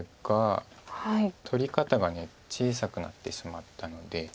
取り方が小さくなってしまったので。